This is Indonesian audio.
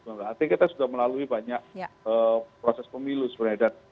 berarti kita sudah melalui banyak proses pemilu sebenarnya